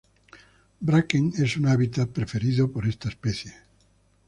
Bracken es un hábitat preferido por esta especie.